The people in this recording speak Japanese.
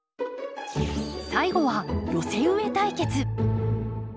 最後は寄せ植え対決。